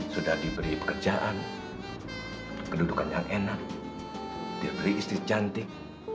sudah diberi pekerjaan kedudukan yang enak diberi istri cantik